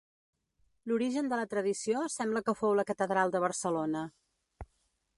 L'origen de la tradició sembla que fou la catedral de Barcelona.